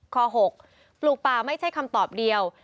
ข้อ๖ปลูกป่าไม่ใช่คำตอบเดียว